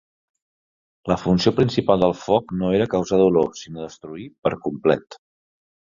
La funció principal del foc no era causar dolor, sinó destruir per complet.